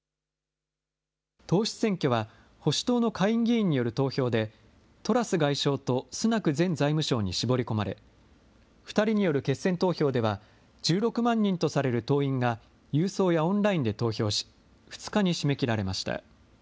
党首選挙は、保守党の下院議員による投票で、トラス外相とスナク前財務相に絞り込まれ、２人による決選投票では、１６万人とされる党員が郵送やオンラインで投票し、２日に締め切られました。